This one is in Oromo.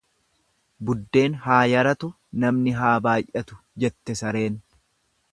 Buuddeen haa yaratu namni haa baay'atu jette sareen.